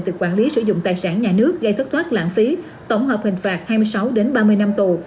từ quản lý sử dụng tài sản nhà nước gây thất thoát lãng phí tổng hợp hình phạt hai mươi sáu ba mươi năm tù